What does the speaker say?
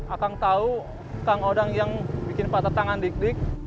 akang tahu kang odang yang bikin patah tangan dik dik